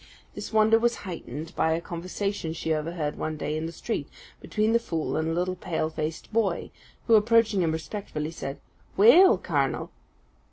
This wonder was heightened by a conversation she overheard one day in the street, between the fool and a little pale faced boy, who, approaching him respectfully, said, "Weel, cornel!"